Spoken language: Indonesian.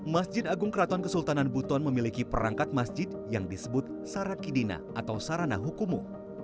masjid agung keraton kesultanan buton memiliki perangkat masjid yang disebut sarakidina atau sarana hukumu